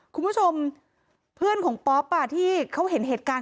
คุณผู้ชมเพื่อนของป๊อปที่เขาเห็นเหตุการณ์